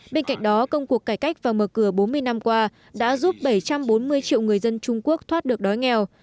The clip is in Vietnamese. bên cạnh đó công cuộc cải cách và mở cửa bốn mươi năm qua đã giúp bảy trăm bốn mươi triệu người dân trung quốc thoát được đói nghèo